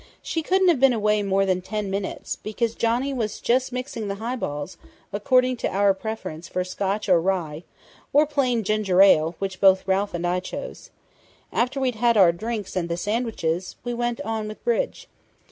"She couldn't have been away more than ten minutes, because Johnny was just mixing the highballs, according to our preference for Scotch or rye or plain ginger ale, which both Ralph and I chose. After we'd had our drinks and the sandwiches, we went on with bridge.